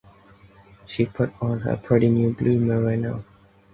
She put on her pretty new blue merino.